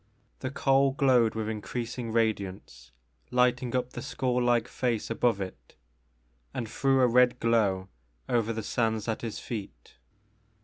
The coal glowed with increasing radiance, lighting up the skull like face above it, and threw a red glow over the sands at his feet.